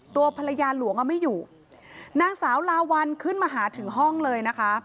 ตัวภรรยาหลวงอ่ะไม่อยู่นางสาวลาวัลขึ้นมาหาถึงห้องเลยนะคะ